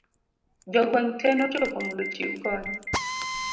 jogweng' te nochopo mondo ochiw kony